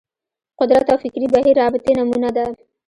قدرت او فکري بهیر رابطې نمونه ده